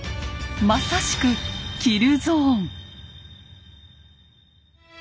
まさしくキルゾーン。